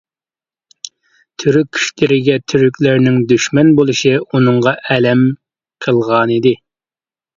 تۈرك كۈچلىرىگە تۈركلەرنىڭ دۈشمەن بولۇشى ئۇنىڭغا ئەلەم قىلغانىدى.